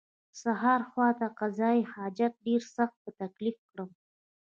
سهار خواته قضای حاجت ډېر سخت په تکلیف کړم.